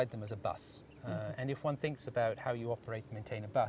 tapi bagaimana cara memanfaatkan bus